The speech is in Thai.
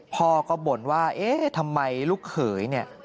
พ่อก็บ่นว่าทำไมลูกเขย